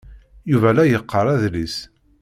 Yuba la yeqqar adlis.